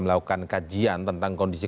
melakukan kajian tentang kondisi